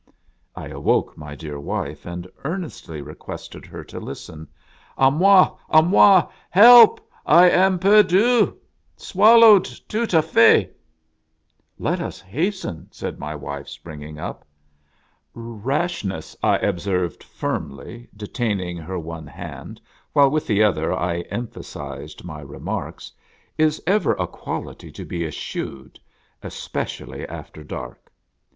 I awoke my dear wife and earnestly requested her to listen. " A moi ! a moi ! Help ! I am perdu ! Swallowed tout a fait!" " Let us hasten !" said my wife springing up. "Rashness," I observed, firmly detaining her with one hand, while with the other I emphasized my re marks, " is ever a quality to be eschewed, — especially after dark.